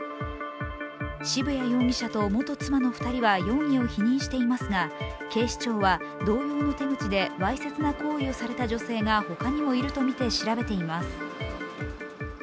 渋谷容疑者と元妻の２人は容疑を否認していますが警視庁は、同様の手口でわいせつな行為をされた女性がほかにもいるとみて調べています。